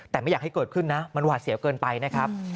แต่ไม่อยากให้เกิดขึ้นนะมันหวาดเสียวเกินไปนะครับ